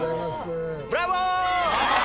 ブラボー！